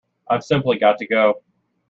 I’ve simply got to go.